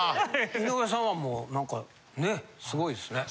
井上さんはもうなんかねすごいですね。